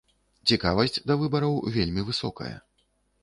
Цікавасць да выбараў вельмі высокая.